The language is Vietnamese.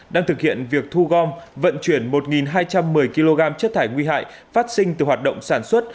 đang thực hiện việc thu gom vận chuyển một hai trăm một mươi kg chất thải nguy hại phát sinh từ hoạt động sản xuất